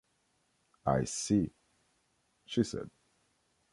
"I see," she said.